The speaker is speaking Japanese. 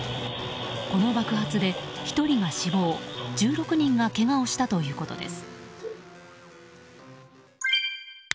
この爆発で１人が死亡１６人がけがをしたということです。